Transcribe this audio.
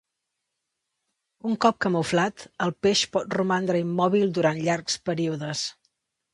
Un cop camuflat, el peix pot romandre immòbil durant llargs períodes.